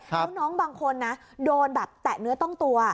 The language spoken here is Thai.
แล้วน้องบางคนนะโดนแบบแตะเนื้อต้องตัว